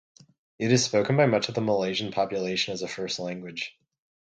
It is spoken by much of the Malaysian population as a first language.